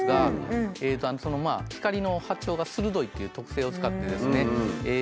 そのまあ光の波長が鋭いっていう特性を使ってですね